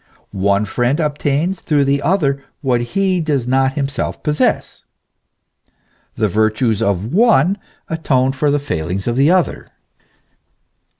One friend obtains through the other what he does not himself possess. The virtues of the one atone for the failings of the other.